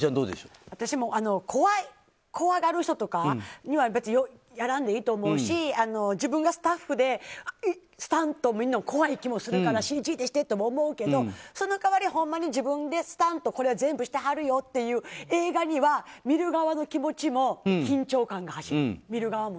私も怖がる人とかは別にやらんでいいと思うし自分がスタッフでスタントなしなら恐い気になるからＣＧでして！とも思うけどその代わり、自分でスタント、これは全部してはるよという気持ちには見る側にも緊張感が走る。